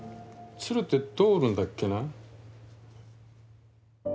鶴ってどう折るんだっけな？